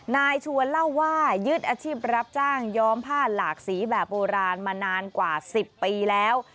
นายชวนเล่าว่ายึดอาชีพรับจ้างย้อมผ้าหลากสีแบบโบราณมานานกว่า๑๐ปีแล้ว